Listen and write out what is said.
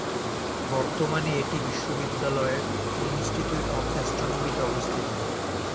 বর্তমানে এটি বিশ্ববিদ্যালয়ের ইনস্টিটিউট অব অ্যাস্ট্রোনমিতে অবস্থিত।